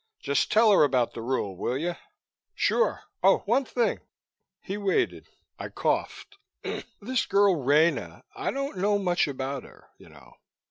"Just tell her about the rule, will you?" "Sure. Oh, one thing." He waited. I coughed. "This girl, Rena. I don't know much about her, you know.